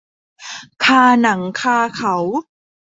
คาหนังคาเขา